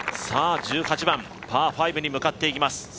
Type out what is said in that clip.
さぁ１８番、パー５に向かっていきます